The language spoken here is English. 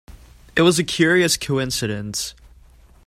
It was a curious coincidence.